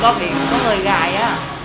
cái cửa tủ có người gài á